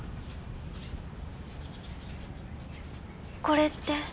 これって。